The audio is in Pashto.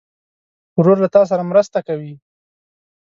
ورور له تا سره مرسته کوي.